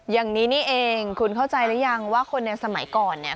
อย่างนี้นี่เองคุณเข้าใจหรือยังว่าคนในสมัยก่อนเนี่ย